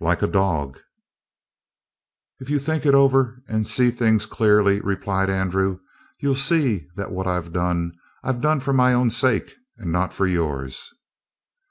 "Like a dog." "If you think it over and see things clearly," replied Andrew, "you'll see that what I've done I've done for my own sake, and not for yours."